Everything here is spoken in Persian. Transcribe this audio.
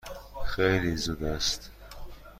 خیلی زود است.